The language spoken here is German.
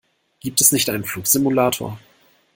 Gibt es nicht einen Flugsimulator?